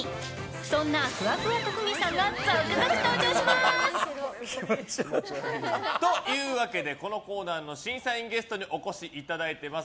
そんなふわふわ特技さんが続々登場します！というわけでこのコーナーの審査員ゲストにお越しいただいています。